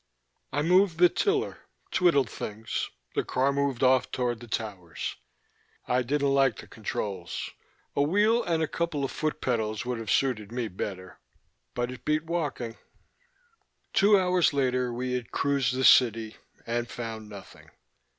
I moved the tiller, twiddled things; the car moved off toward the towers. I didn't like the controls; a wheel and a couple of foot pedals would have suited me better; but it beat walking. Two hours later we had cruised the city ... and found nothing.